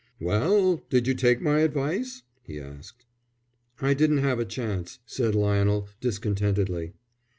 "Well, did you take my advice?" he asked. "I didn't have a chance," said Lionel, discontentedly.